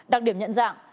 đặc điểm nhận dạng